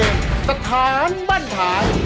ไม่กินเป็นร้อย